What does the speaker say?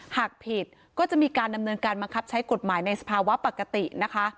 หากผิดก็จะมีการดำเนินการบังคับใช้กฎหมายในสภาวะปกตินะคะ